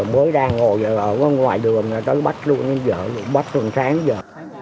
mới đang ngồi ở ngoài đường tới bách luôn bách từng sáng đến giờ